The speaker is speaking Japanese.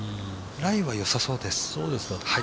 ライは良さそうです。